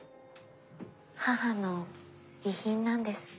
母の遺品なんです。